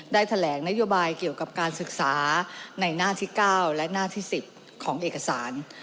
แถลงนโยบายเกี่ยวกับการศึกษาในหน้าที่๙และหน้าที่๑๐ของเอกสาร